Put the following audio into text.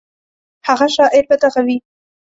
هغه شاعر به دغه وي.